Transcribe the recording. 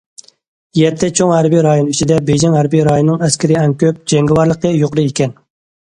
يەتتە چوڭ ھەربىي رايون ئىچىدە بېيجىڭ ھەربىي رايونىنىڭ ئەسكىرى ئەڭ كۆپ، جەڭگىۋارلىقى يۇقىرى ئىكەن.